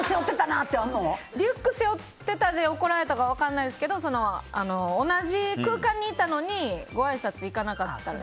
リュック背負ってたで怒られたか分からないですけど同じ空間にいたのにごあいさつに行かなかったり。